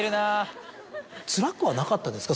つらくはなかったですか？